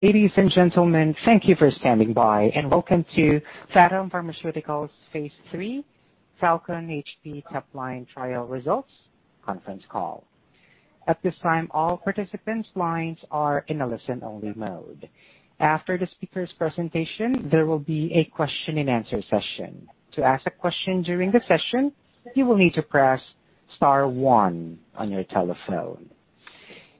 Ladies and gentlemen, thank you for standing by. Welcome to Phathom Pharmaceuticals' phase III PHALCON-HP topline trial results conference call. At this time, all participants' lines are in a listen-only mode. After the speaker's presentation, there will be a question and answer session. To ask a question during the session, you will need to press star one on your telephone.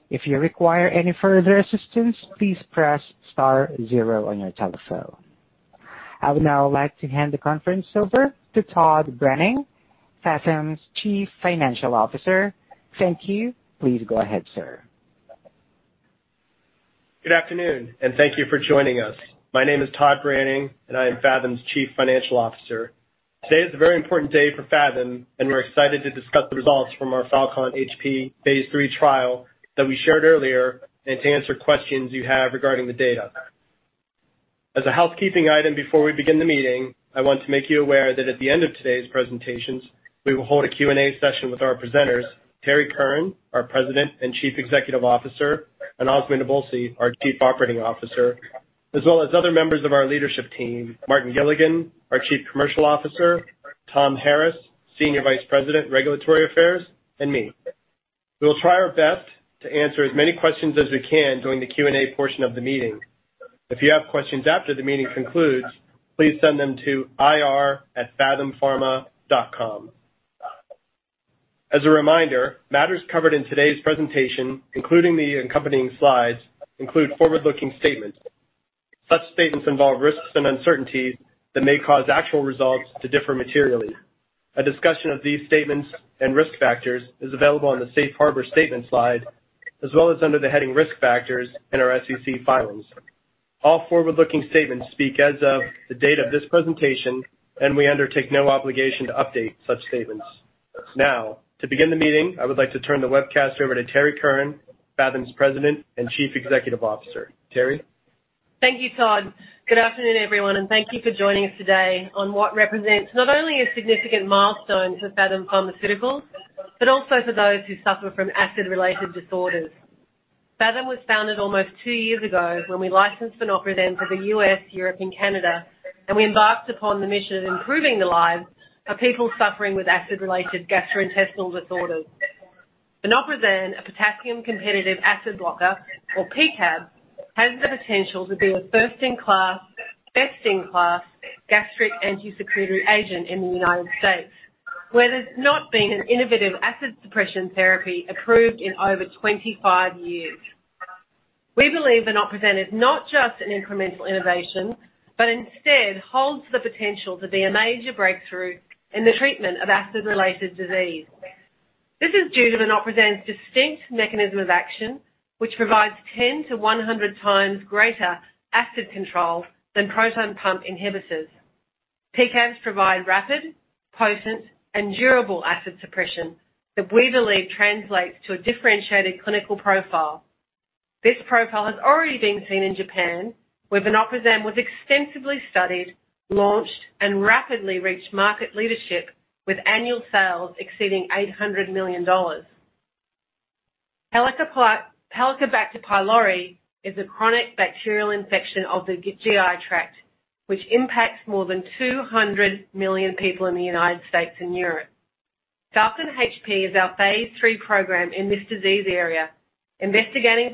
If you require any further assistance, please press star zero on your telephone. I would now like to hand the conference over to Todd Branning, Phathom's Chief Financial Officer. Thank you. Please go ahead, sir. Good afternoon. Thank you for joining us. My name is Todd Branning, and I am Phathom's Chief Financial Officer. Today is a very important day for Phathom, and we're excited to discuss the results from our PHALCON-HP phase III trial that we shared earlier and to answer questions you have regarding the data. As a housekeeping item before we begin the meeting, I want to make you aware that at the end of today's presentations, we will hold a Q&A session with our presenters, Terrie Curran, our President and Chief Executive Officer, and Azmi Nabulsi, our Chief Operating Officer, as well as other members of our leadership team, Martin Gilligan, our Chief Commercial Officer, Tom Harris, Senior Vice President, Regulatory Affairs, and me. We will try our best to answer as many questions as we can during the Q&A portion of the meeting. If you have questions after the meeting concludes, please send them to ir@phathompharma.com. As a reminder, matters covered in today's presentation, including the accompanying slides, include forward-looking statements. Such statements involve risks and uncertainties that may cause actual results to differ materially. A discussion of these statements and risk factors is available on the Safe Harbor Statements slide, as well as under the heading Risk Factors in our SEC filings. All forward-looking statements speak as of the date of this presentation, and we undertake no obligation to update such statements. Now, to begin the meeting, I would like to turn the webcast over to Terrie Curran, Phathom's President and Chief Executive Officer. Terrie? Thank you, Todd. Good afternoon, everyone, and thank you for joining us today on what represents not only a significant milestone for Phathom Pharmaceuticals, but also for those who suffer from acid-related disorders. Phathom was founded almost two years ago when we licensed vonoprazan for the U.S., Europe, and Canada, and we embarked upon the mission of improving the lives of people suffering with acid-related gastrointestinal disorders. Vonoprazan, a potassium competitive acid blocker, or PCAB, has the potential to be the first-in-class, best-in-class gastric anti-secretory agent in the United States, where there's not been an innovative acid suppression therapy approved in over 25 years. We believe vonoprazan is not just an incremental innovation, but instead holds the potential to be a major breakthrough in the treatment of acid-related disease. This is due to vonoprazan's distinct mechanism of action, which provides 10-100 times greater acid control than proton pump inhibitors. PCABs provide rapid, potent and durable acid suppression that we believe translates to a differentiated clinical profile. This profile has already been seen in Japan, where vonoprazan was extensively studied, launched, and rapidly reached market leadership with annual sales exceeding $800 million. Helicobacter pylori is a chronic bacterial infection of the GI tract, which impacts more than 200 million people in the United States and Europe. PHALCON-HP is our phase III program in this disease area investigating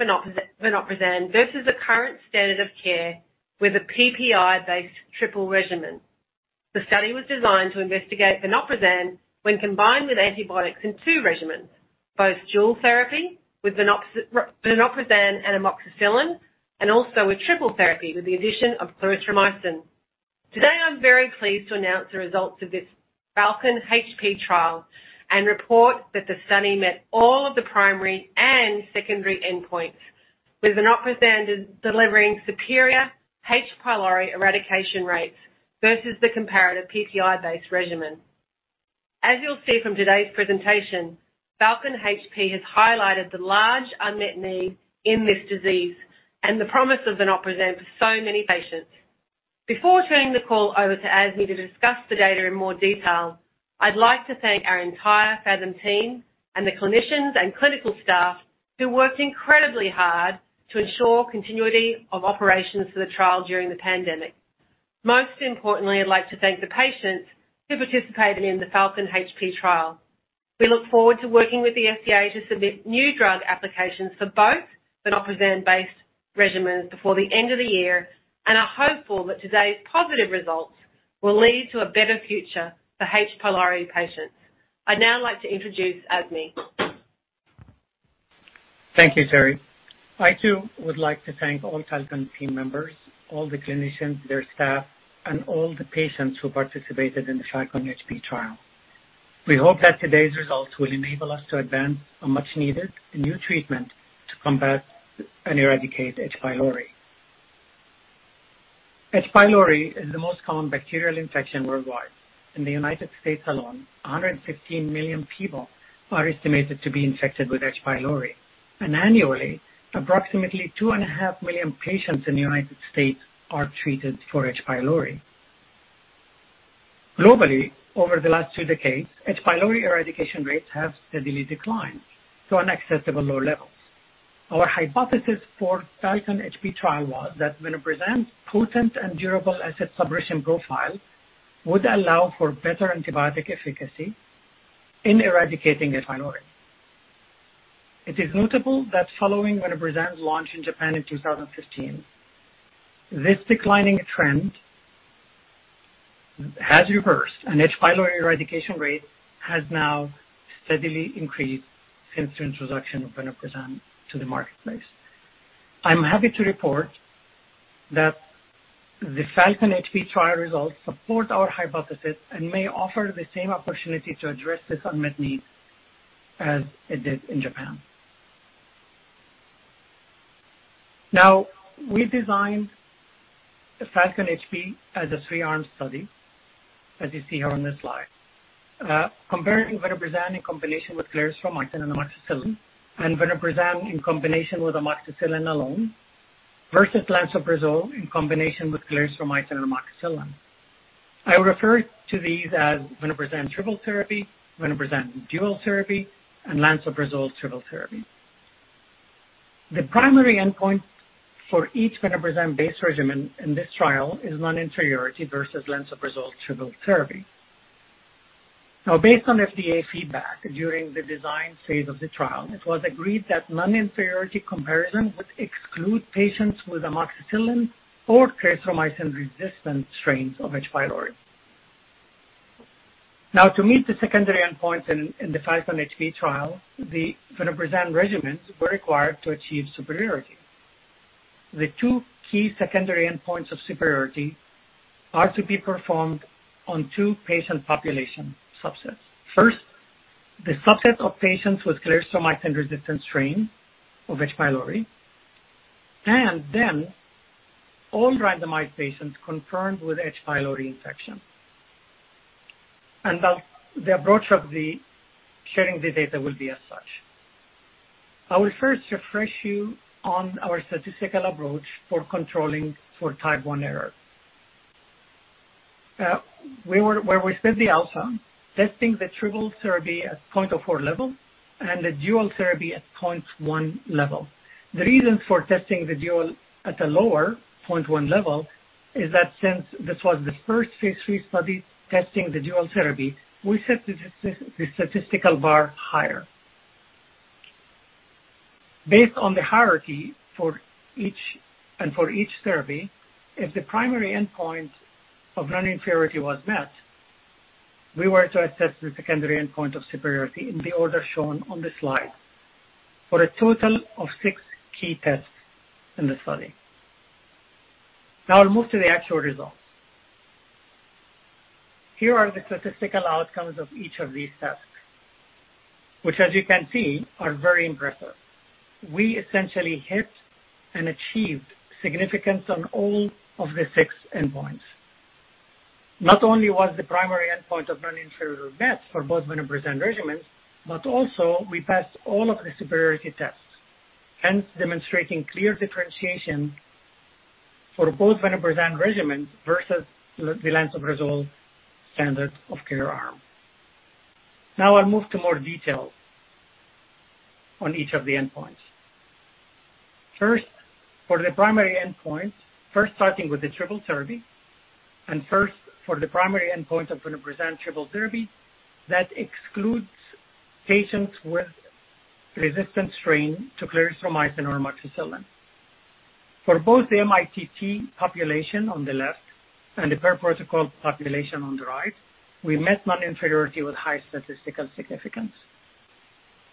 vonoprazan versus the current standard of care with a PPI-based triple regimen. The study was designed to investigate vonoprazan when combined with antibiotics in two regimens, both dual therapy with vonoprazan and amoxicillin, and also with triple therapy with the addition of clarithromycin. Today, I'm very pleased to announce the results of this PHALCON-HP trial and report that the study met all of the primary and secondary endpoints, with vonoprazan delivering superior H. pylori eradication rates versus the comparative PPI base regimen. As you'll see from today's presentation, PHALCON-HP has highlighted the large unmet need in this disease and the promise of vonoprazan for so many patients. Before turning the call over to Azmi to discuss the data in more detail, I'd like to thank our entire Phathom team and the clinicians and clinical staff who worked incredibly hard to ensure continuity of operations for the trial during the pandemic. Most importantly, I'd like to thank the patients who participated in the PHALCON-HP trial. We look forward to working with the FDA to submit new drug applications for both vonoprazan-based regimens before the end of the year and are hopeful that today's positive results will lead to a better future for H. pylori patients. I'd now like to introduce Azmi. Thank you, Terrie. I too would like to thank all PHALCON team members, all the clinicians, their staff, and all the patients who participated in the PHALCON-HP trial. We hope that today's results will enable us to advance a much needed new treatment to combat and eradicate H. pylori. H. pylori is the most common bacterial infection worldwide. In the U.S. alone, 115 million people are estimated to be infected with H. pylori, and annually, approximately 2.5 million patients in the U.S. are treated for H. pylori. Globally, over the last two decades, H. pylori eradication rates have steadily declined to unacceptable low levels. Our hypothesis for PHALCON HP trial was that vonoprazan potent and durable acid suppression profile would allow for better antibiotic efficacy in eradicating H. pylori. It is notable that following vonoprazan launch in Japan in 2015, this declining trend has reversed. H. pylori eradication rate has now steadily increased since the introduction of vonoprazan to the marketplace. I'm happy to report that the PHALCON HP trial results support our hypothesis and may offer the same opportunity to address this unmet need as it did in Japan. Now, we designed the PHALCON HP as a three-arm study, as you see here on the slide, comparing vonoprazan in combination with clarithromycin and amoxicillin, and vonoprazan in combination with amoxicillin alone versus lansoprazole in combination with clarithromycin and amoxicillin. I refer to these as vonoprazan triple therapy, vonoprazan dual therapy, and lansoprazole triple therapy. The primary endpoint for each vonoprazan-based regimen in this trial is non-inferiority versus lansoprazole triple therapy. Based on FDA feedback during the design phase of the trial, it was agreed that non-inferiority comparison would exclude patients with amoxicillin or clarithromycin-resistant strains of H. pylori. To meet the secondary endpoint in the PHALCON-HP trial, the vonoprazan regimens were required to achieve superiority. The two key secondary endpoints of superiority are to be performed on two patient population subsets. First, the subset of patients with clarithromycin-resistant strain of H. pylori, and then all randomized patients confirmed with H. pylori infection. The approach of sharing the data will be as such. I will first refresh you on our statistical approach for controlling for type one error. Where we set the alpha, testing the triple therapy at 0.04 level and the dual therapy at 0.1 level. The reason for testing the dual at a lower 0.1 level is that since this was the first phase III study testing the dual therapy, we set the statistical bar higher. Based on the hierarchy, and for each therapy, if the primary endpoint of non-inferiority was met, we were to assess the secondary endpoint of superiority in the order shown on the slide, for a total of six key tests in the study. I'll move to the actual results. Here are the statistical outcomes of each of these tests, which as you can see, are very impressive. We essentially hit and achieved significance on all of the six endpoints. Not only was the primary endpoint of non-inferiority met for both vonoprazan regimens, but also we passed all of the superiority tests, hence demonstrating clear differentiation for both vonoprazan regimens versus the lansoprazole standard of care arm. Now I'll move to more detail on each of the endpoints. First, for the primary endpoint, first starting with the triple therapy, and first, for the primary endpoint of vonoprazan triple therapy, that excludes patients with resistant strain to clarithromycin or amoxicillin. For both the mITT population on the left and the per-protocol population on the right, we met non-inferiority with high statistical significance.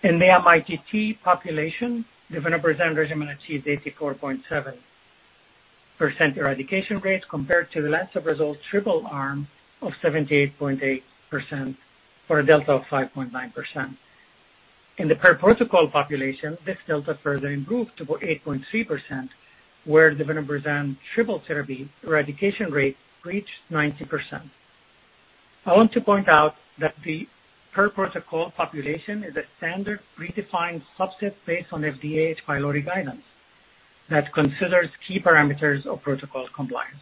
In the mITT population, the vonoprazan regimen achieved 84.7% eradication rate compared to the lansoprazole triple arm of 78.8%, for a delta of 5.9%. In the per-protocol population, this delta further improved to 8.3%, where the vonoprazan triple therapy eradication rate reached 90%. I want to point out that the per-protocol population is a standard predefined subset based on FDA H. pylori guidance that considers key parameters of protocol compliance.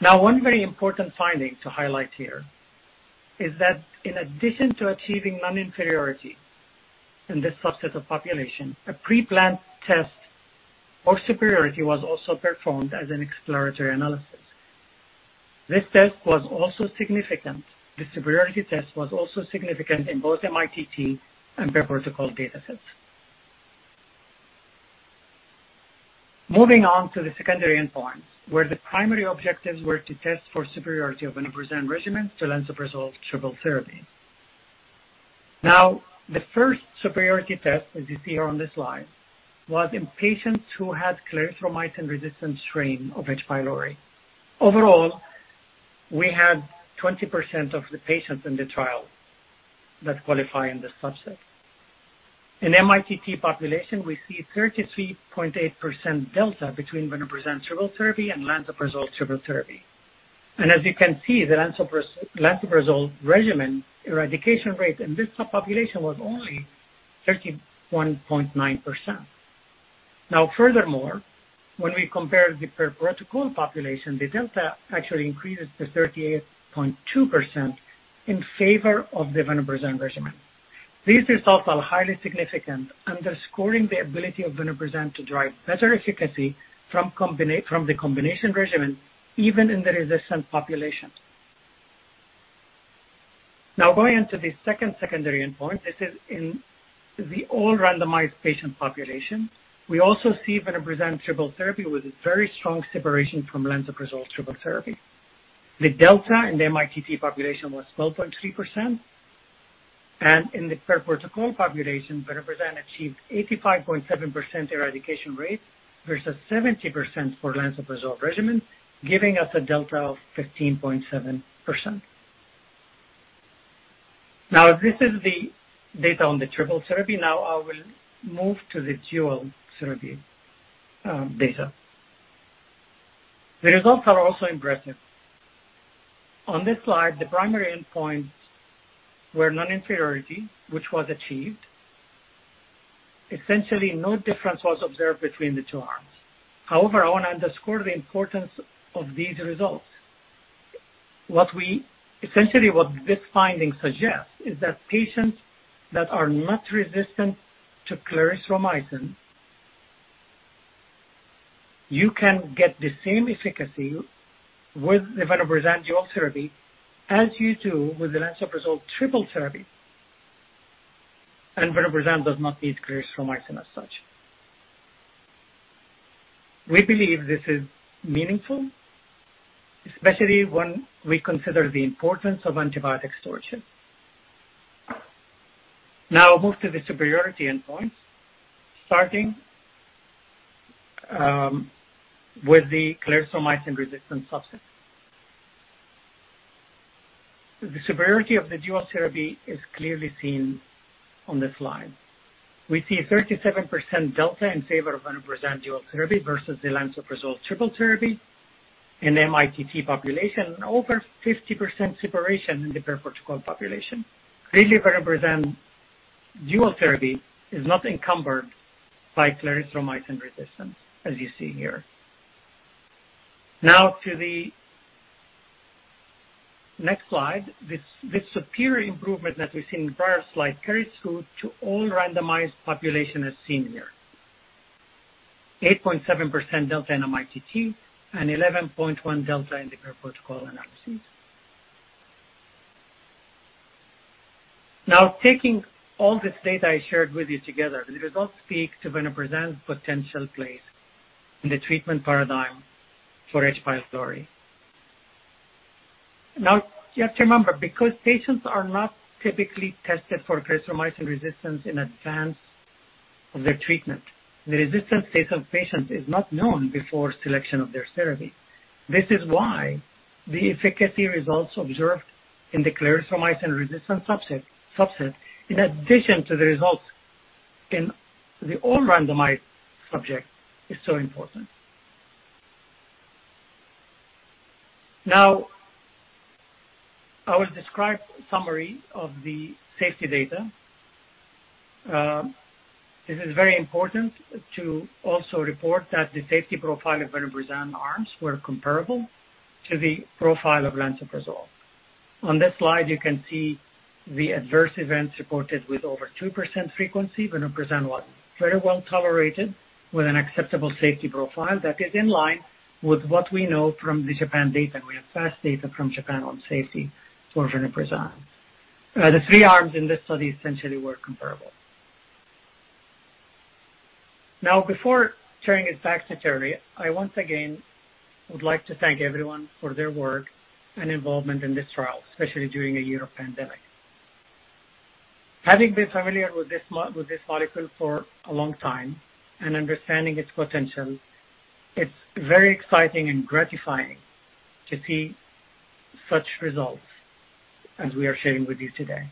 One very important finding to highlight here is that in addition to achieving non-inferiority in this subset of population, a pre-planned test for superiority was also performed as an exploratory analysis. This test was also significant. The superiority test was also significant in both mITT and per-protocol datasets. Moving on to the secondary endpoints, where the primary objectives were to test for superiority of vonoprazan regimens to lansoprazole triple therapy. The first superiority test, as you see here on this slide, was in patients who had clarithromycin-resistant strain of H. pylori. Overall, we had 20% of the patients in the trial that qualify in this subset. In mITT population, we see 33.8% delta between vonoprazan triple therapy and lansoprazole triple therapy. As you can see, the lansoprazole regimen eradication rate in this subpopulation was only 31.9%. Furthermore, when we compare the per-protocol population, the delta actually increases to 38.2% in favor of the vonoprazan regimen. These results are highly significant, underscoring the ability of vonoprazan to drive better efficacy from the combination regimen, even in the resistant population. Going into the second secondary endpoint, this is in the all-randomized patient population. We also see vonoprazan triple therapy with a very strong separation from lansoprazole triple therapy. The delta in the mITT population was 12.3%, and in the per-protocol population, vonoprazan achieved 85.7% eradication rate versus 70% for lansoprazole regimen, giving us a delta of 15.7%. This is the data on the triple therapy. I will move to the dual therapy data. The results are also impressive. On this slide, the primary endpoints were non-inferiority, which was achieved. Essentially, no difference was observed between the two arms. However, I want to underscore the importance of these results. Essentially, what this finding suggests is that patients that are not resistant to clarithromycin, you can get the same efficacy with the vonoprazan dual therapy as you do with the lansoprazole triple therapy, and vonoprazan does not need clarithromycin as such. We believe this is meaningful, especially when we consider the importance of antibiotic stewardship. Now I'll move to the superiority endpoints, starting with the clarithromycin-resistant subset. The superiority of the dual therapy is clearly seen on this slide. We see a 37% delta in favor of vonoprazan dual therapy versus the lansoprazole triple therapy in mITT population, and over 50% separation in the per-protocol population. Clearly, vonoprazan dual therapy is not encumbered by clarithromycin resistance, as you see here. Now to the next slide. This superior improvement that we see in the prior slide carries through to all randomized population, as seen here. 8.7% delta in mITT and 11.1% delta in the per-protocol analysis. Taking all this data I shared with you together, the results speak to vonoprazan's potential place in the treatment paradigm for H. pylori. You have to remember, because patients are not typically tested for clarithromycin resistance in advance of their treatment, the resistance state of patients is not known before selection of their therapy. This is why the efficacy results observed in the clarithromycin-resistant subset, in addition to the results in the all-randomized subject, is so important. I will describe summary of the safety data. This is very important to also report that the safety profile of vonoprazan arms were comparable to the profile of lansoprazole. On this slide, you can see the adverse events reported with over 2% frequency. Vonoprazan was very well-tolerated with an acceptable safety profile that is in line with what we know from the Japan data. We have vast data from Japan on safety for vonoprazan. The three arms in this study essentially were comparable. Now, before turning it back to Terrie, I once again would like to thank everyone for their work and involvement in this trial, especially during a year of pandemic. Having been familiar with this molecule for a long time and understanding its potential, it's very exciting and gratifying to see such results as we are sharing with you today.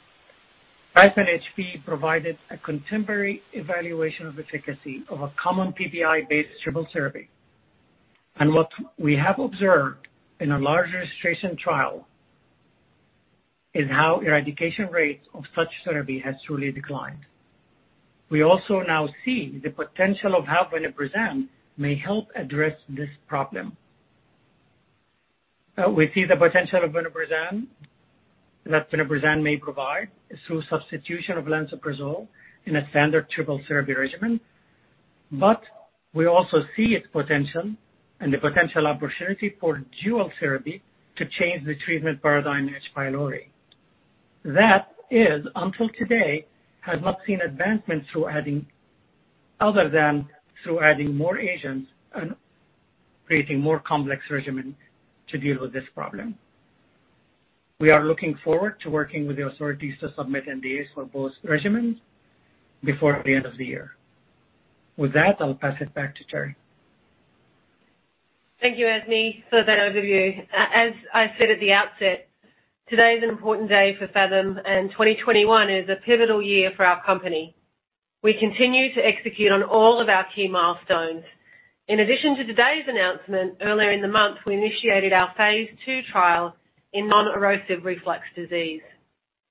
PHALCON-HP provided a contemporary evaluation of efficacy of a common PPI-based triple therapy, and what we have observed in a large registration trial is how eradication rates of such therapy has truly declined. We also now see the potential of how vonoprazan may help address this problem. We see the potential that vonoprazan may provide through substitution of lansoprazole in a standard triple therapy regimen. We also see its potential and the potential opportunity for dual therapy to change the treatment paradigm in H. pylori. That is, until today, had not seen advancements other than through adding more agents and creating more complex regimen to deal with this problem. We are looking forward to working with the authorities to submit NDAs for both regimens before the end of the year. With that, I'll pass it back to Terrie. Thank you, Azmi, for that overview. As I said at the outset, today is an important day for Phathom, and 2021 is a pivotal year for our company. We continue to execute on all of our key milestones. In addition to today's announcement, earlier in the month, we initiated our phase II trial in non-erosive reflux disease.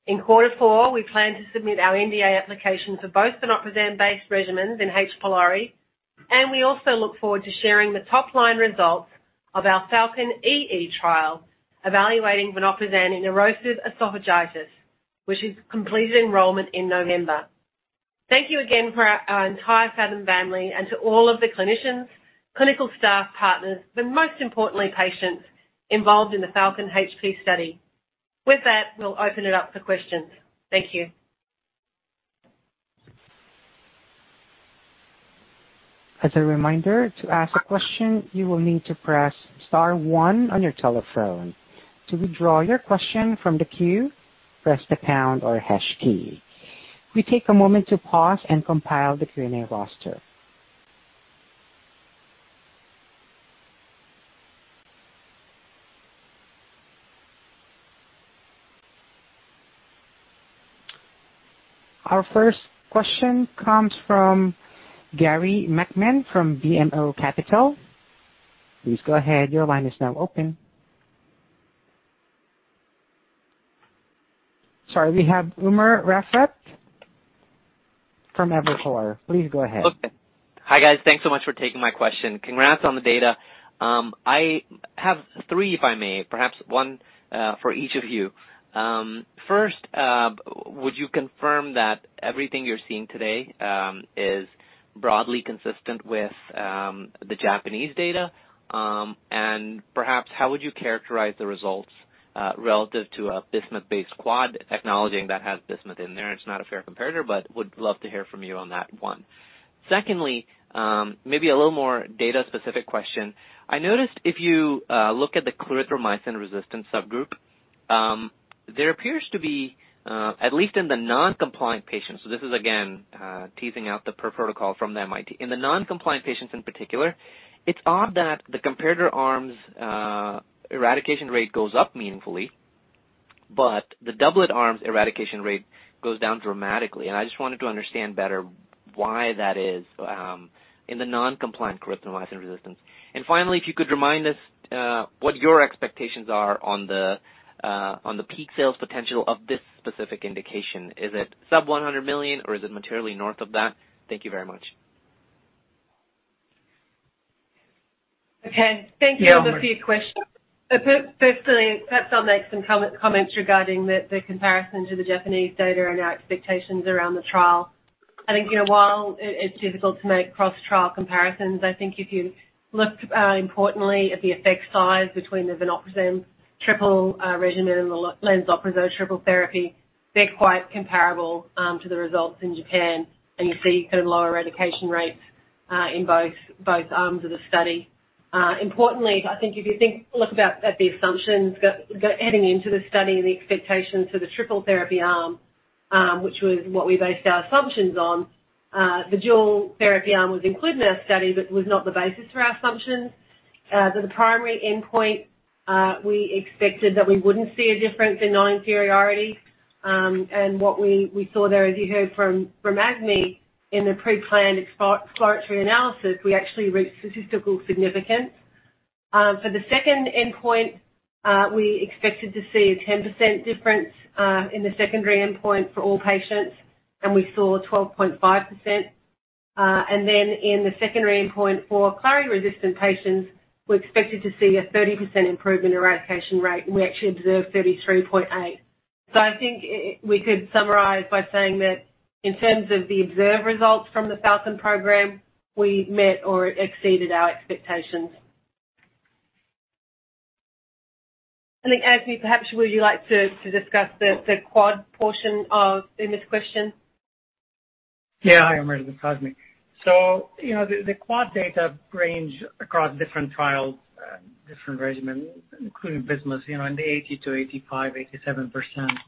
In quarter four, we plan to submit our NDA application for both vonoprazan-based regimens in H. pylori, and we also look forward to sharing the top-line results of our PHALCON-EE trial evaluating vonoprazan in erosive esophagitis, which has completed enrollment in November. Thank you again for our entire Phathom family and to all of the clinicians, clinical staff, partners, but most importantly, patients involved in the PHALCON-HP study. With that, we'll open it up for questions. Thank you. As a reminder, to ask a question, you will need to press star one on your telephone. To withdraw your question from the queue, press the pound or hash key. We take a moment to pause and compile the Q&A roster. Our first question comes from Gary Nachman from BMO Capital Markets. Please go ahead. Your line is now open. Sorry, we have Umer Raffat from Evercore. Please go ahead. Okay. Hi, guys. Thanks so much for taking my question. Congrats on the data. I have three, if I may, perhaps one for each of you. First, would you confirm that everything you're seeing today is broadly consistent with the Japanese data? Perhaps how would you characterize the results relative to a bismuth-based quad therapy that has bismuth in there? It's not a fair comparator, but would love to hear from you on that one. Secondly, maybe a little more data-specific question. I noticed if you look at the clarithromycin-resistant subgroup, there appears to be, at least in the non-compliant patients, so this is again, teasing out the per protocol from the mITT. In the non-compliant patients in particular, it's odd that the comparator arm's eradication rate goes up meaningfully, but the doublet arm's eradication rate goes down dramatically, and I just wanted to understand better why that is in the non-compliant clarithromycin resistance. Finally, if you could remind us what your expectations are on the peak sales potential of this specific indication. Is it sub-$100 million, or is it materially north of that? Thank you very much. Okay. Yeah, Umer. The few questions. Firstly, perhaps I'll make some comments regarding the comparison to the Japanese data and our expectations around the trial. I think, while it's difficult to make cross-trial comparisons, I think if you look importantly at the effect size between the vonoprazan triple regimen and the lansoprazole triple therapy, they're quite comparable to the results in Japan, and you see lower eradication rates in both arms of the study. Importantly, I think if you look at the assumptions heading into the study and the expectations for the triple therapy arm which was what we based our assumptions on, the dual therapy arm was included in our study but was not the basis for our assumptions. For the primary endpoint, we expected that we wouldn't see a difference in non-inferiority, and what we saw there, as you heard from Azmi Nabulsi in the pre-planned exploratory analysis, we actually reached statistical significance. For the second endpoint, we expected to see a 10% difference in the secondary endpoint for all patients, and we saw 12.5%. In the secondary endpoint for clarithromycin-resistant patients, we expected to see a 30% improvement in eradication rate, and we actually observed 33.8%. I think we could summarize by saying that in terms of the observed results from the PHALCON program, we met or exceeded our expectations. I think, Azmi Nabulsi, perhaps would you like to discuss the quad portion in this question? Hi, Umer. This is Azmi. The quad data range across different trials, different regimen, including bismuth, in the 80% to 85%,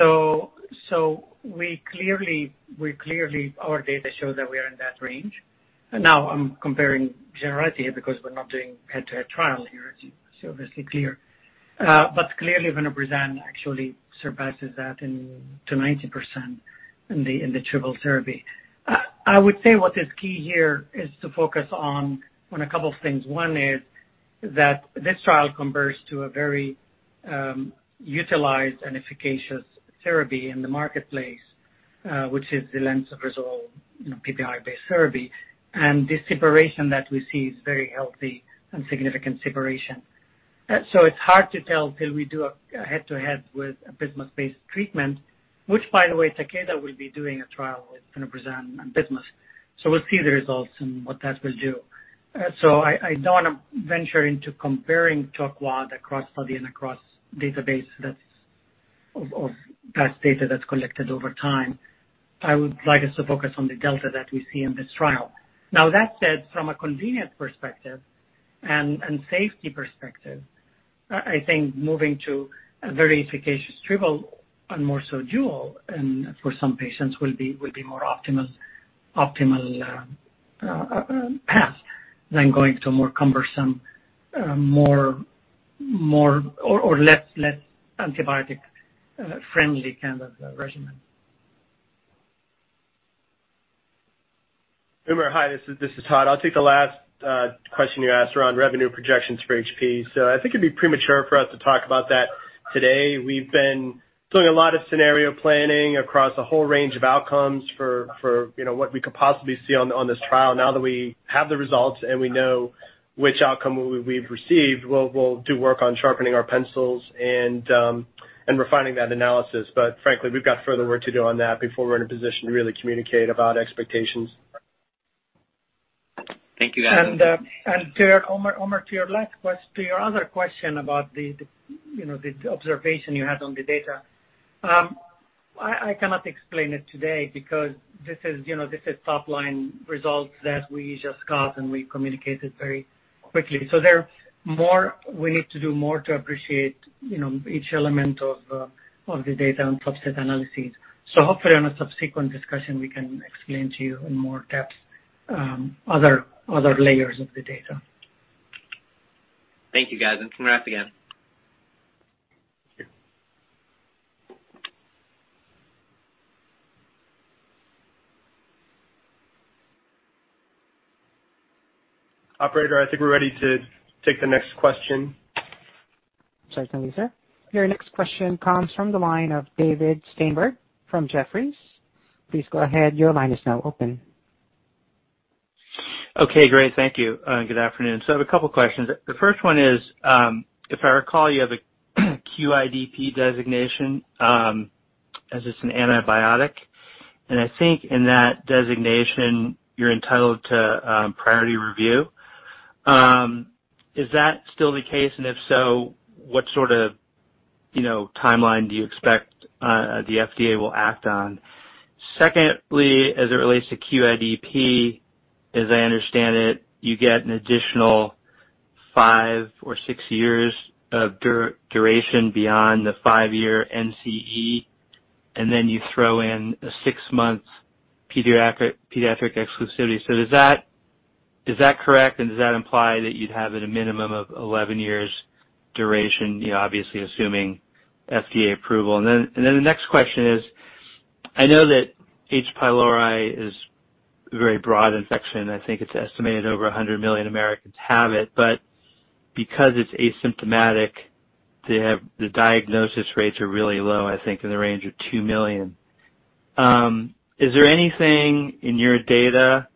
87%. Our data show that we are in that range. I'm comparing generality here because we're not doing head-to-head trial here, it's obviously clear. Clearly, vonoprazan actually surpasses that to 90% in the triple therapy. I would say what is key here is to focus on a couple of things. One is that this trial converts to a very utilized and efficacious therapy in the marketplace, which is the lansoprazole PPI-based therapy. The separation that we see is very healthy and significant separation. It's hard to tell until we do a head-to-head with a bismuth-based treatment, which, by the way, Takeda will be doing a trial with vonoprazan and bismuth. We'll see the results and what that will do. I don't want to venture into comparing to a quad across study and across database that's of past data that's collected over time. I would like us to focus on the delta that we see in this trial. Now that said, from a convenience perspective and safety perspective, I think moving to a very efficacious triple and more so dual and for some patients will be more optimal path than going to a more cumbersome or less antibiotic-friendly kind of regimen. Umer, hi. This is Todd. I'll take the last question you asked around revenue projections for H. pylori. I think it'd be premature for us to talk about that today. We've been doing a lot of scenario planning across a whole range of outcomes for what we could possibly see on this trial. Now that we have the results and we know which outcome we've received, we'll do work on sharpening our pencils and refining that analysis. Frankly, we've got further work to do on that before we're in a position to really communicate about expectations. Thank you, Todd. Umer, to your other question about the observation you had on the data. I cannot explain it today because this is top-line results that we just got, and we communicated very quickly. We need to do more to appreciate each element of the data and subset analyses. Hopefully, in a subsequent discussion, we can explain to you in more depth, other layers of the data. Thank you, guys, and wrap again. Operator, I think we're ready to take the next question. Sorry, one second, please sir. Your next question comes from the line of David Steinberg from Jefferies. Please go ahead. Your line is now open. Okay, great. Thank you. Good afternoon. I have a couple questions. The first one is, if I recall, you have a QIDP designation, as it's an antibiotic. I think in that designation, you're entitled to priority review. Is that still the case? If so, what sort of timeline do you expect the FDA will act on? Secondly, as it relates to QIDP, as I understand it, you get an additional five or six years of duration beyond the five-year NCE, and then you throw in a six-month pediatric exclusivity. Is that correct, and does that imply that you'd have at a minimum of 11 years duration, obviously assuming FDA approval? The next question is, I know that H. pylori is a very broad infection. I think it's estimated over 100 million Americans have it. Because it's asymptomatic, the diagnosis rates are really low, I think in the range of $2 million. Is there anything in your data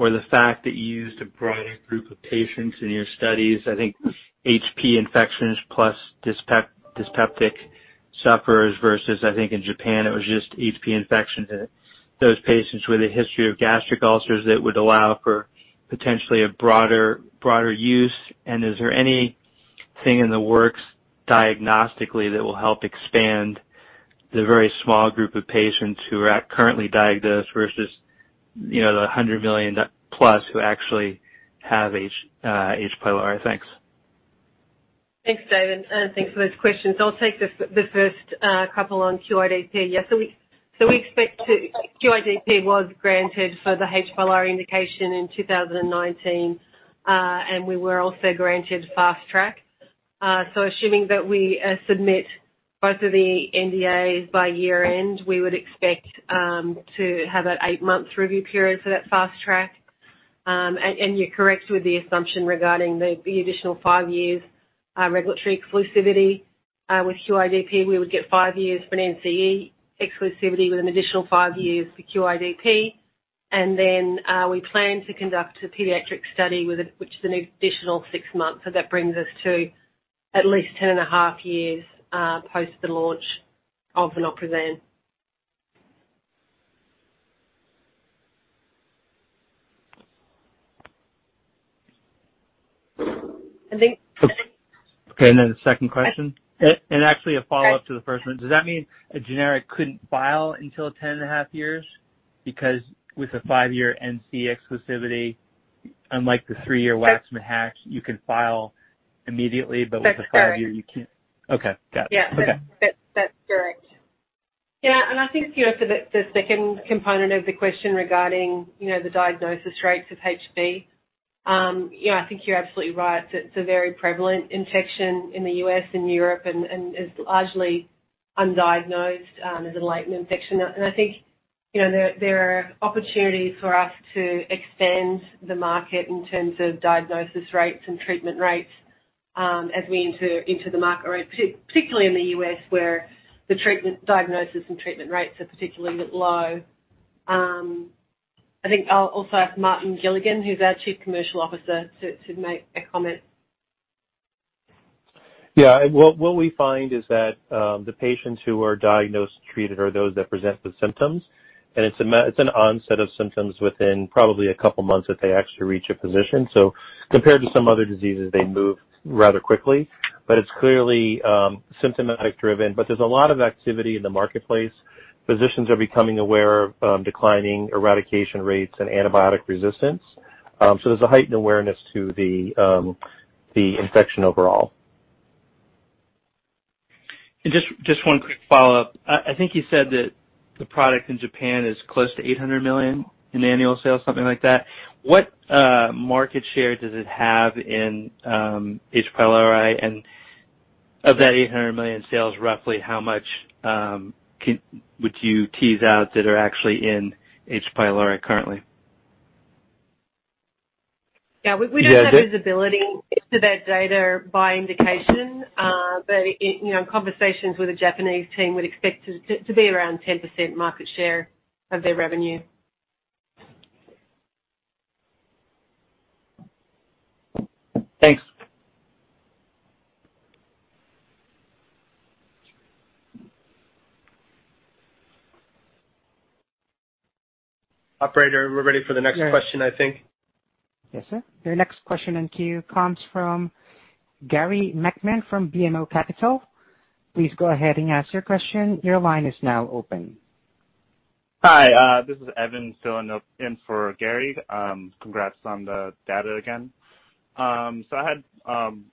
or the fact that you used a broader group of patients in your studies, I think H. pylori infections plus dyspeptic sufferers, versus I think in Japan it was just H. pylori infections in those patients with a history of gastric ulcers that would allow for potentially a broader use. Is there anything in the works diagnostically that will help expand the very small group of patients who are currently diagnosed versus the $100 million who actually have H. pylori? Thanks. Thanks, David, thanks for those questions. I'll take the first couple on QIDP. We expect QIDP was granted for the H. pylori indication in 2019. We were also granted fast track. Assuming that we submit both of the NDAs by year-end, we would expect to have that eight-month review period for that fast track. You're correct with the assumption regarding the additional five years regulatory exclusivity. With QIDP, we would get five years for an NCE exclusivity with an additional five years for QIDP. We plan to conduct a pediatric study, which is an additional six months. That brings us to at least 10 and a half years, post the launch of vonoprazan. Okay, the second question. Actually, a follow-up to the first one. Does that mean a generic couldn't file until 10 and a half years? With a five-year NCE exclusivity, unlike the three-year Hatch-Waxman, you can file immediately, but with the five-year you can't. That is correct. Okay. Got it. Yeah. Okay. That's correct. Yeah, I think for the second component of the question regarding the diagnosis rates of H. pylori. Yeah, I think you're absolutely right. It's a very prevalent infection in the U.S. and Europe and is largely undiagnosed as a latent infection. I think there are opportunities for us to extend the market in terms of diagnosis rates and treatment rates, as we enter into the market, particularly in the U.S., where the diagnosis and treatment rates are particularly low. I think I'll also ask Martin Gilligan, who's our Chief Commercial Officer, to make a comment. Yeah. What we find is that, the patients who are diagnosed treated are those that present with symptoms, and it's an onset of symptoms within probably a couple of months if they actually reach a physician. Compared to some other diseases, they move rather quickly. It's clearly symptomatic driven. There's a lot of activity in the marketplace. Physicians are becoming aware of declining eradication rates and antibiotic resistance. There's a heightened awareness to the infection overall. Just one quick follow-up. I think you said that the product in Japan is close to $800 million in annual sales, something like that. What market share does it have in H. pylori? Of that $800 million sales, roughly how much would you tease out that are actually in H. pylori currently? Yeah. We don't have visibility to that data by indication. In conversations with the Japanese team, we'd expect it to be around 10% market share of their revenue. Thanks. Operator, we're ready for the next question, I think. Yes, sir. Your next question in queue comes from Gary Nachman from BMO Capital. Please go ahead and ask your question. Your line is now open. Hi, this is Evan filling in for Gary. Congrats on the data again. I had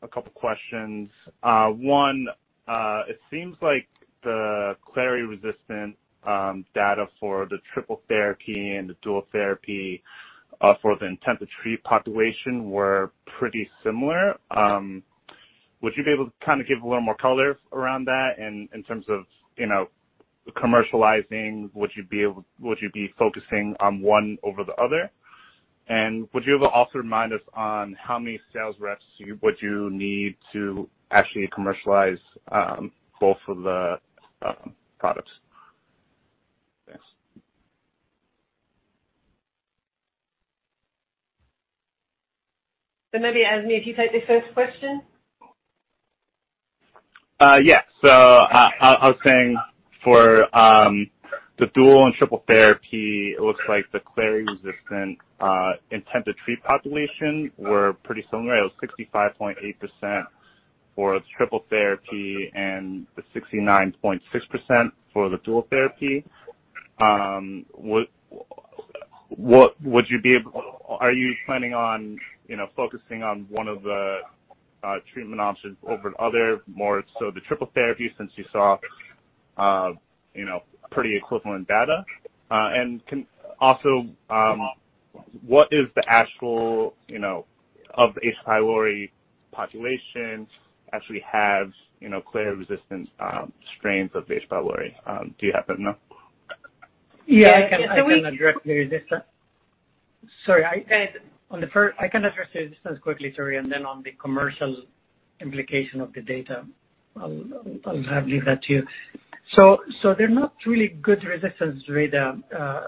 a couple questions. One, it seems like the clari-resistant data for the triple therapy and the dual therapy for the intent-to-treat population were pretty similar. Yeah. Would you be able to give a little more color around that in terms of commercializing? Would you be focusing on one over the other? Would you also remind us on how many sales reps would you need to actually commercialize both of the products? Thanks. Maybe, Evan, can you take the first question? I was saying for the dual and triple therapy, it looks like the Clari resistant intent to treat population were pretty similar. It was 65.8% for the triple therapy and 69.6% for the dual therapy. Are you planning on focusing on one of the treatment options over the other, more so the triple therapy, since you saw pretty equivalent data? Also, what is the actual of H. pylori population actually have Clari resistant strains of H. pylori? Do you happen to know? I can address the resistance. Sorry, I can address the resistance quickly, Terrie. On the commercial implication of the data, I'll leave that to you. There are not really good resistance data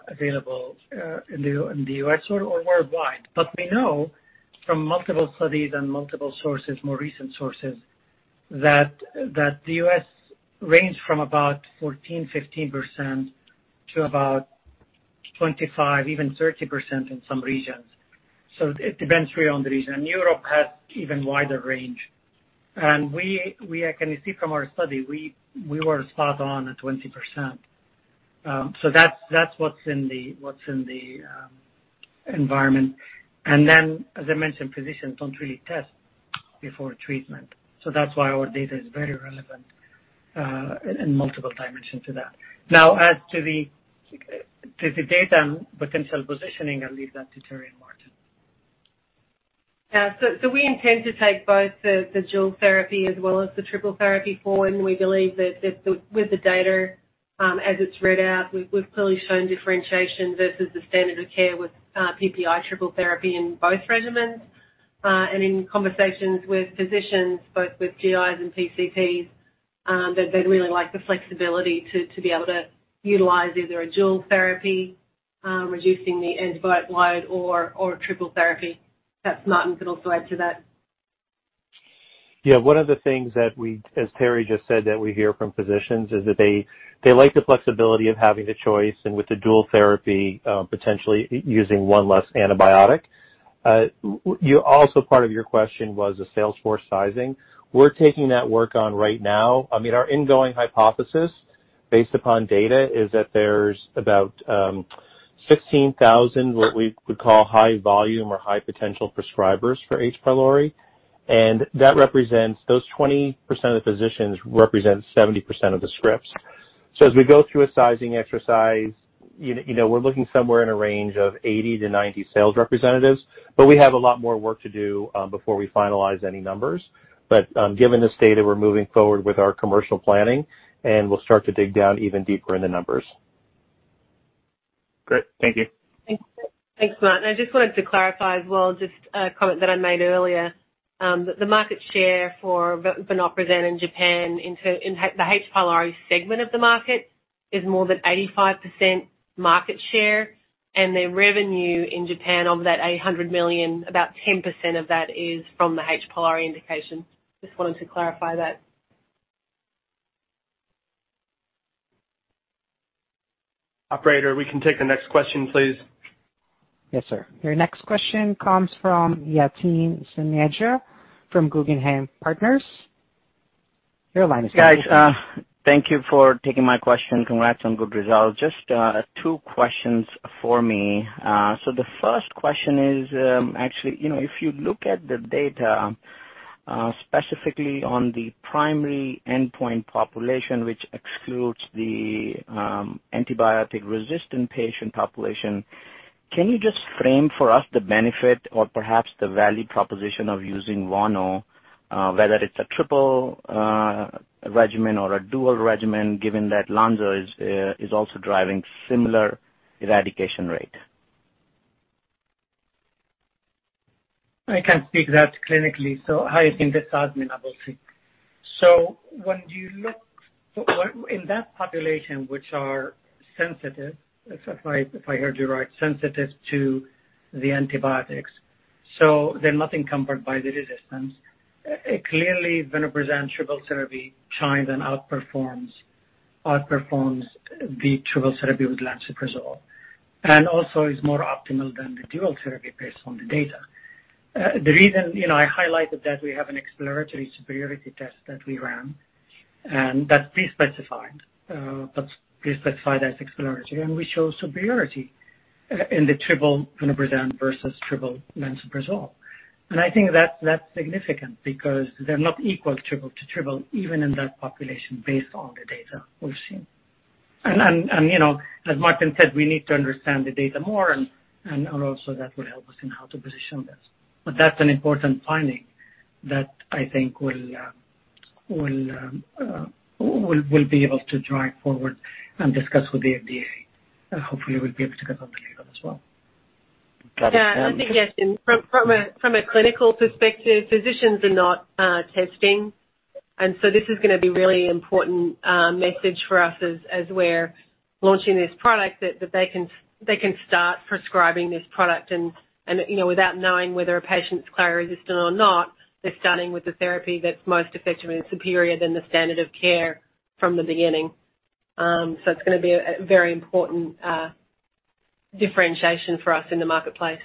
available in the U.S. or worldwide. We know from multiple studies and multiple sources, more recent sources, that the U.S. range from about 14%-15% to about 25%, even 30% in some regions. It depends really on the region. Europe has even wider range. We can see from our study, we were spot on at 20%. That's what's in the environment. As I mentioned, physicians don't really test before treatment. That's why our data is very relevant in multiple dimension to that. Now, as to the data and potential positioning, I'll leave that to Terrie and Martin. Yeah. We intend to take both the dual therapy as well as the triple therapy forward. We believe that with the data as it's read out, we've clearly shown differentiation versus the standard of care with PPI triple therapy in both regimens. In conversations with physicians, both with GIs and PCPs, they'd really like the flexibility to be able to utilize either a dual therapy, reducing the antibiotic load, or a triple therapy. Perhaps Martin could also add to that. Yeah. One of the things that, as Terrie just said, that we hear from physicians is that they like the flexibility of having the choice, and with the dual therapy, potentially using one less antibiotic. Also part of your question was the sales force sizing. We're taking that work on right now. Our ingoing hypothesis based upon data is that there's about 16,000, what we would call high volume or high potential prescribers for H. pylori, and those 20% of the physicians represent 70% of the scripts. As we go through a sizing exercise, we're looking somewhere in a range of 80-90 sales representatives, but we have a lot more work to do before we finalize any numbers. Given this data, we're moving forward with our commercial planning, and we'll start to dig down even deeper in the numbers. Great. Thank you. Thanks, Martin. I just wanted to clarify as well, just a comment that I made earlier. The market share for vonoprazan in Japan in the H. pylori segment of the market is more than 85% market share, and their revenue in Japan of that $800 million, about 10% of that is from the H. pylori indication. Just wanted to clarify that. Operator, we can take the next question, please. Yes, sir. Your next question comes from Yatin Suneja from Guggenheim Partners. Your line is open. Guys, thank you for taking my question. Congrats on good results. Just two questions for me. The first question is actually, if you look at the data, specifically on the primary endpoint population, which excludes the antibiotic-resistant patient population. Can you just frame for us the benefit or perhaps the value proposition of using vonu, whether it's a triple regimen or a dual regimen, given that lanzo is also driving similar eradication rate? I can speak to that clinically, how I think this antibiotic ability. When you look in that population which are sensitive, if I heard you right, sensitive to the antibiotics, they're not encumbered by the resistance. Clearly, vonoprazan triple therapy shines and outperforms the triple therapy with lansoprazole. Also is more optimal than the dual therapy based on the data. The reason I highlighted that we have an exploratory superiority test that we ran and that's pre-specified as exploratory. We show superiority in the triple vonoprazan versus triple lansoprazole. I think that's significant because they're not equal triple to triple, even in that population, based on the data we've seen. As Martin said, we need to understand the data more and also that will help us in how to position this. That's an important finding that I think will be able to drive forward and discuss with the FDA. Hopefully, we'll be able to get something out as well. Got it. I think, yes, from a clinical perspective, physicians are not testing, and so this is going to be really important message for us as we're launching this product that they can start prescribing this product and without knowing whether a patient's Clari resistant or not, they're starting with the therapy that's most effective and superior than the standard of care from the beginning. It's going to be a very important differentiation for us in the marketplace.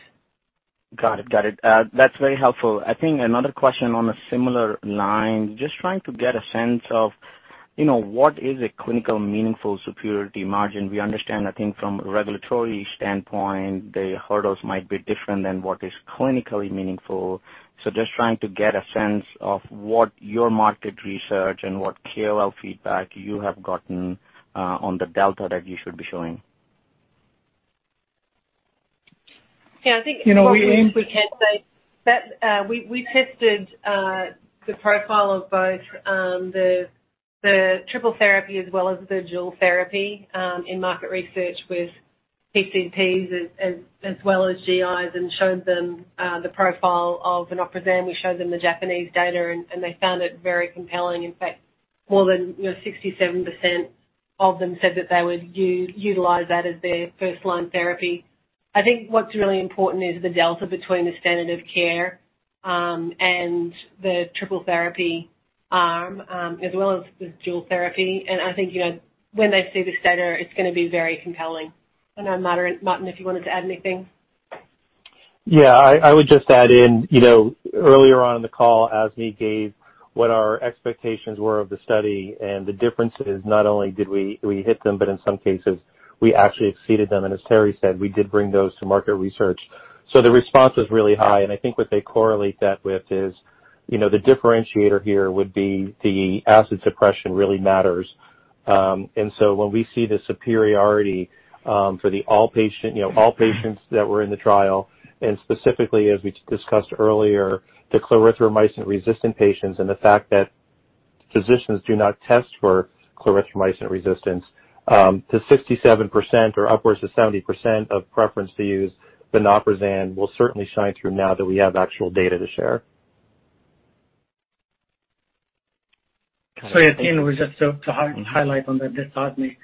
Got it. That's very helpful. I think another question on a similar line, just trying to get a sense of what is a clinical meaningful superiority margin. We understand, I think from a regulatory standpoint, the hurdles might be different than what is clinically meaningful. Just trying to get a sense of what your market research and what KOL feedback you have gotten on the delta that you should be showing. Yeah, I think. You know, we aim. We can say that we tested the profile of both the triple therapy as well as the dual therapy, in market research with PCPs as well as GIs, and showed them the profile of vonoprazan. We showed them the Japanese data, and they found it very compelling. In fact, more than 67% of them said that they would utilize that as their first-line therapy. I think what's really important is the delta between the standard of care, and the triple therapy arm, as well as the dual therapy. I think, when they see this data, it's going to be very compelling. I don't know, Martin, if you wanted to add anything. Yeah. I would just add in, earlier on in the call, Azmi gave what our expectations were of the study. The difference is not only did we hit them, but in some cases we actually exceeded them. As Terrie said, we did bring those to market research. The response was really high. I think what they correlate that with is the differentiator here would be the acid suppression really matters. When we see the superiority for the all patient, all patients that were in the trial, and specifically, as we discussed earlier, the clarithromycin-resistant patients and the fact that physicians do not test for clarithromycin resistance, to 67% or upwards of 70% of preference to use vonoprazan will certainly shine through now that we have actual data to share. Yeah, Yatin, just to highlight on that Azmi.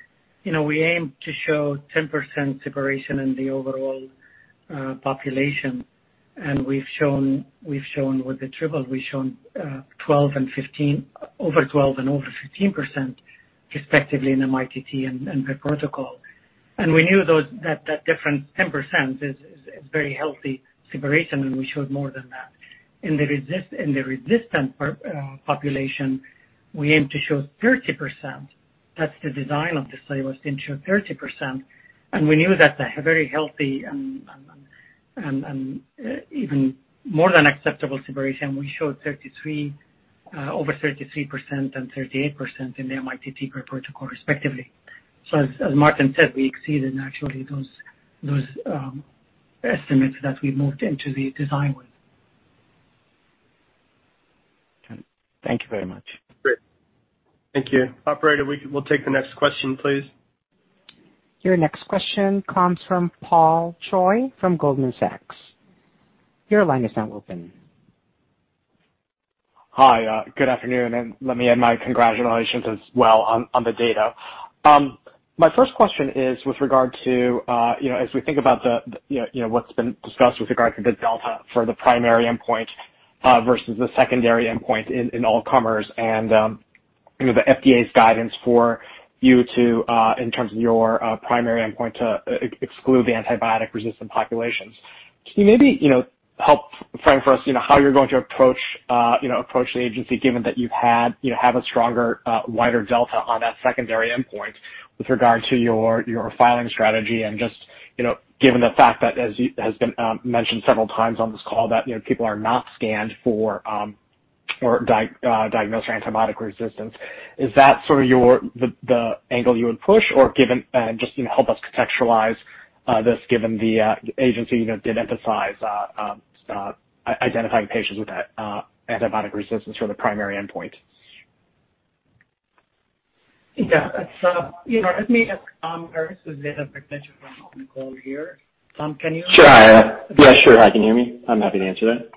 We aim to show 10% separation in the overall population, and with the triple, we've shown over 12% and over 15%, respectively, in the mITT and per protocol. We knew that different 10% is a very healthy separation, and we showed more than that. In the resistant population, we aim to show 30%. That's the design of the study, was to ensure 30%. We knew that's a very healthy and even more than acceptable separation. We showed over 33% and 38% in the mITT/per protocol, respectively. As Martin said, we exceeded actually those estimates that we moved into the design with. Okay. Thank you very much. Great. Thank you. Operator, we'll take the next question, please. Your next question comes from Paul Choi from Goldman Sachs. Your line is now open. Hi. Good afternoon. Let me add my congratulations as well on the data. My first question is with regard to, as we think about what's been discussed with regard to the delta for the primary endpoint versus the secondary endpoint in all comers, and the FDA's guidance for you to, in terms of your primary endpoint, to exclude the antibiotic-resistant populations. Can you maybe help frame for us how you're going to approach the Agency given that you have a stronger, wider delta on that secondary endpoint with regard to your filing strategy and just, given the fact that as has been mentioned several times on this call, that people are not scanned for or diagnose their antibiotic resistance. Is that sort of the angle you would push? Just help us contextualize this, given the Agency did emphasize identifying patients with antibiotic resistance for the primary endpoint. Yeah. Let me ask Tom Harris, who's data presentation from [Nicole] here. Tom, can you? Sure. Yeah, sure. Hi, can you hear me? I'm happy to answer that.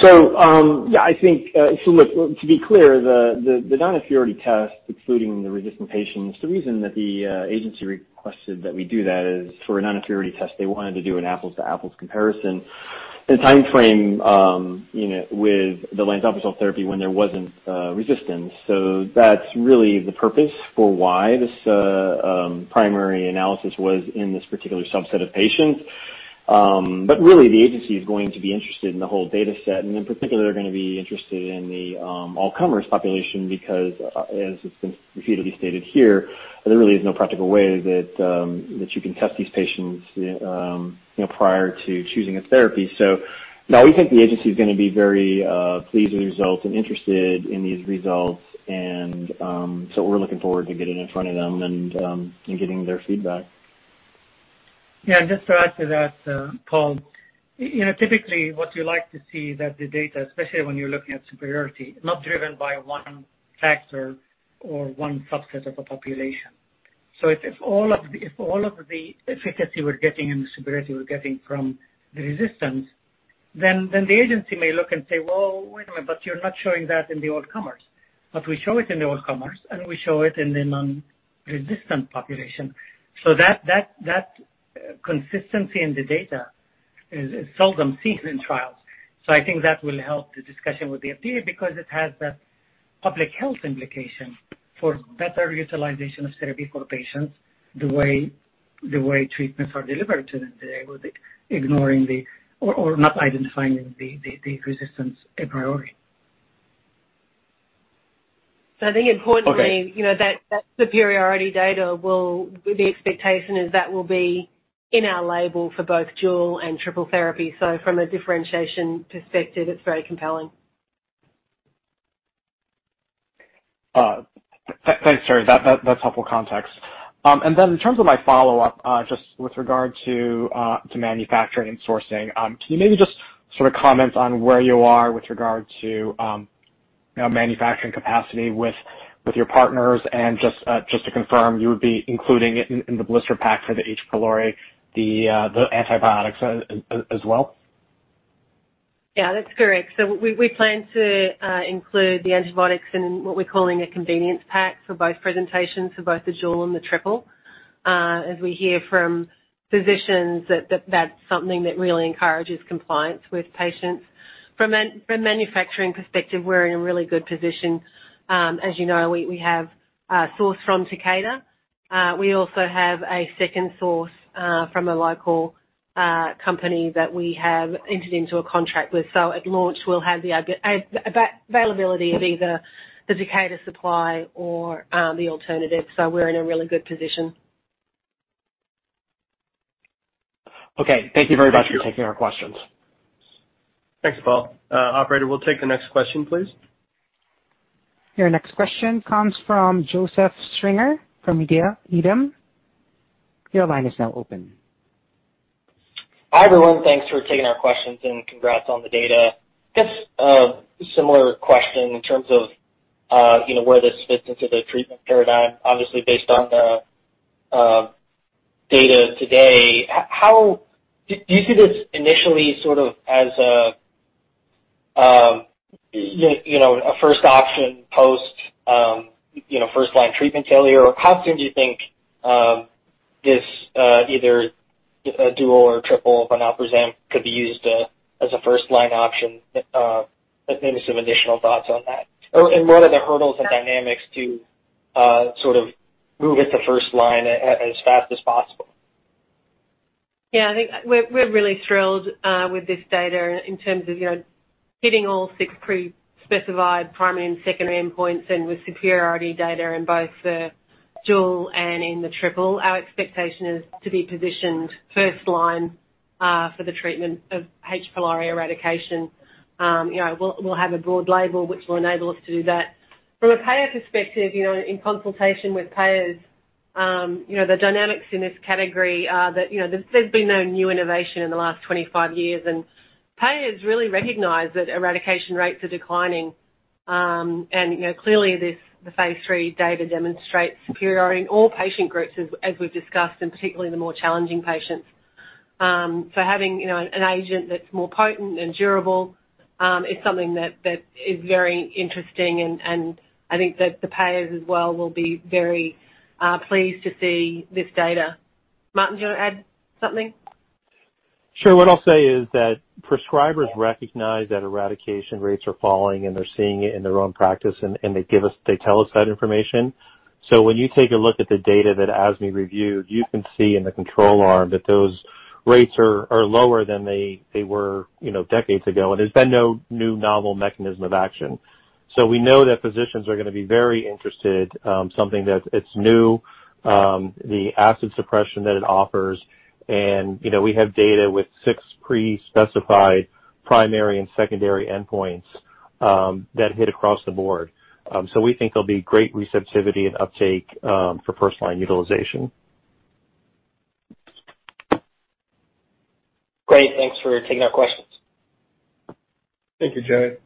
Yeah, to be clear, the non-inferiority test, excluding the resistant patients, the reason that the agency requested that we do that is for a non-inferiority test, they wanted to do an apples to apples comparison in the time frame with the line therapy when there wasn't resistance. That's really the purpose for why this primary analysis was in this particular subset of patients. Really, the agency is going to be interested in the whole data set, and in particular, are going to be interested in the all-comers population, because as it's been repeatedly stated here, there really is no practical way that you can test these patients prior to choosing a therapy. No, we think the agency is going to be very pleased with the results and interested in these results. We're looking forward to getting it in front of them and getting their feedback. Yeah, just to add to that, Paul. Typically what you like to see that the data, especially when you're looking at superiority, not driven by one factor or one subset of a population. If all of the efficacy we're getting and the superiority we're getting from the resistance, then the agency may look and say, "Well, wait a minute, but you're not showing that in the all comers." We show it in the all comers, and we show it in the non-resistant population. That consistency in the data is seldom seen in trials. I think that will help the discussion with the FDA because it has that public health implication for better utilization of therapy for patients, the way treatments are delivered to them today, with ignoring or not identifying the resistance a priority. I think. Okay. That superiority data, the expectation is that will be in our label for both dual and triple therapy. From a differentiation perspective, it's very compelling. Thanks. Sorry, that's helpful context. In terms of my follow-up, just with regard to manufacturing and sourcing, can you maybe just sort of comment on where you are with regard to manufacturing capacity with your partners and just to confirm, you would be including it in the blister pack for the H. pylori, the antibiotics as well? Yeah, that's correct. We plan to include the antibiotics in what we're calling a convenience pack for both presentations, for both the dual and the triple. As we hear from physicians, that's something that really encourages compliance with patients. From a manufacturing perspective, we're in a really good position. As you know, we have sourced from Takeda. We also have a second source from a local company that we have entered into a contract with. At launch, we'll have the availability of either the Takeda supply or the alternative. We're in a really good position. Okay. Thank you very much for taking our questions. Thank you. Thanks, Paul. Operator, we'll take the next question, please. Your next question comes from Joseph Stringer from Needham. Your line is now open. Hi, everyone. Thanks for taking our questions and congrats on the data. Just a similar question in terms of where this fits into the treatment paradigm, obviously based on the data today. Do you see this initially sort of as a first option post first-line treatment failure? How soon do you think this either a dual or triple vonoprazan could be used as a first-line option? Maybe some additional thoughts on that. Oh, what are the hurdles and dynamics to sort of move it to first-line as fast as possible? Yeah, I think we're really thrilled with this data in terms of hitting all six pre-specified primary and secondary endpoints and with superiority data in both the dual and in the triple. Our expectation is to be positioned first line, for the treatment of H. pylori eradication. We'll have a broad label, which will enable us to do that. From a payer perspective, in consultation with payers, the dynamics in this category are that there's been no new innovation in the last 25 years, and payers really recognize that eradication rates are declining. Clearly, the phase III data demonstrates superiority in all patient groups, as we've discussed, and particularly the more challenging patients. Having an agent that's more potent and durable is something that is very interesting, and I think that the payers as well will be very pleased to see this data. Martin, do you want to add something? Sure. What I'll say is that prescribers recognize that eradication rates are falling, and they're seeing it in their own practice, and they tell us that information. When you take a look at the data that Azmi reviewed, you can see in the control arm that those rates are lower than they were decades ago. There's been no new novel mechanism of action. We know that physicians are going to be very interested, something that it's new, the acid suppression that it offers, and we have data with six pre-specified primary and secondary endpoints that hit across the board. We think there'll be great receptivity and uptake for first-line utilization. Great. Thanks for taking our questions. Thank you, Joe.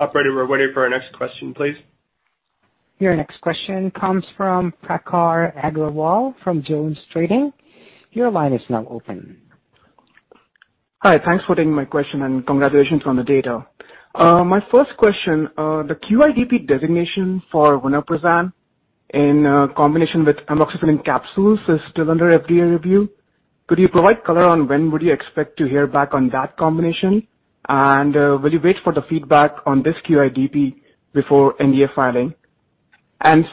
Operator, we're ready for our next question, please. Your next question comes from Prakhar Agarwal from JonesTrading. Your line is now open. Hi. Thanks for taking my question, and congratulations on the data. My first question, the QIDP designation for vonoprazan in combination with amoxicillin capsules is still under FDA review. Could you provide color on when would you expect to hear back on that combination? Will you wait for the feedback on this QIDP before NDA filing?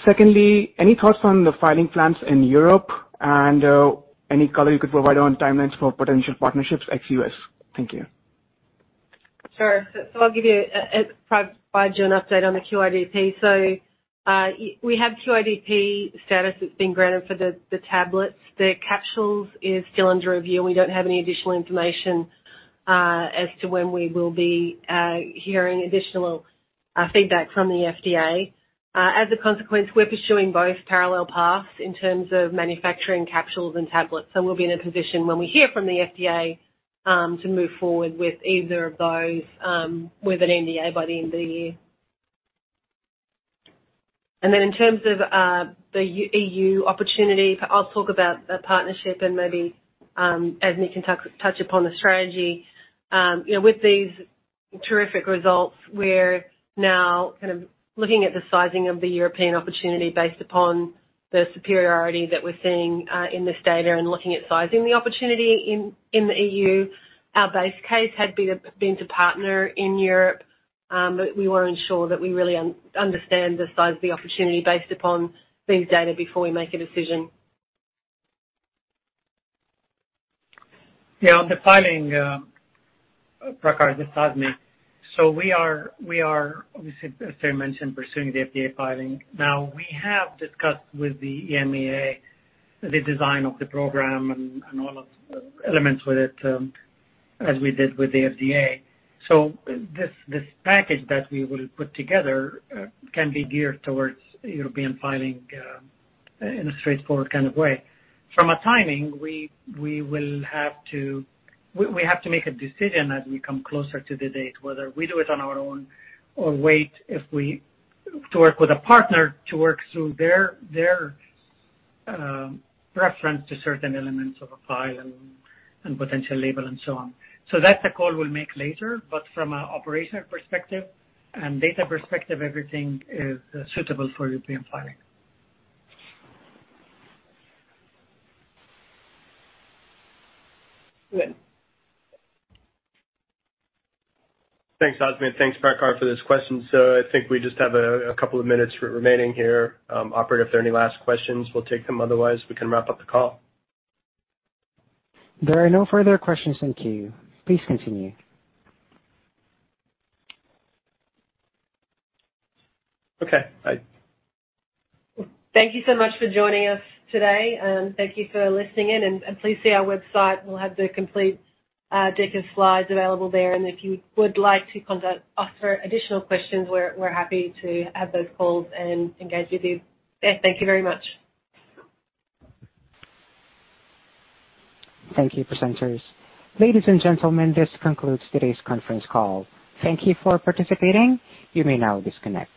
Secondly, any thoughts on the filing plans in Europe and any color you could provide on timelines for potential partnerships at U.S.? Thank you. Sure. I'll provide you an update on the QIDP. We have QIDP status that's been granted for the tablets. The capsules is still under review, and we don't have any additional information as to when we will be hearing additional feedback from the FDA. As a consequence, we're pursuing both parallel paths in terms of manufacturing capsules and tablets. We'll be in a position when we hear from the FDA, to move forward with either of those, with an NDA by the end of the year. In terms of the EU opportunity, I'll talk about a partnership and maybe, as Azmi can touch upon the strategy. With these terrific results, we're now looking at the sizing of the European opportunity based upon the superiority that we're seeing in this data and looking at sizing the opportunity in the EU. Our base case had been to partner in Europe, but we want to ensure that we really understand the size of the opportunity based upon these data before we make a decision. Yeah. On the filing, Prakhar, this is Azmi. We are, obviously, as Terrie Curran mentioned, pursuing the FDA filing. We have discussed with the EMA the design of the program and all of the elements with it, as we did with the FDA. This package that we will put together can be geared towards European filing in a straightforward kind of way. From a timing, we have to make a decision as we come closer to the date, whether we do it on our own or wait if we work with a partner to work through their preference to certain elements of a file and potential label and so on. That's a call we'll make later, from an operational perspective and data perspective, everything is suitable for European filing. Good. Thanks, Azmi. Thanks, Prakhar, for this question. I think we just have a couple of minutes remaining here. Operator, if there are any last questions, we'll take them. Otherwise, we can wrap up the call. There are no further questions in queue. Please continue. Okay, bye. Thank you so much for joining us today, and thank you for listening in, and please see our website. We'll have the complete deck of slides available there, and if you would like to contact us for additional questions, we're happy to have those calls and engage with you. Thank you very much. Thank you, presenters. Ladies and gentlemen, this concludes today's conference call. Thank you for participating. You may now disconnect.